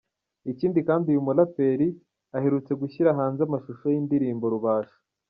Ikindi kandi uyu mulaperi aherutse gushyira hanze amashusho y’ indirimbo Rubasha.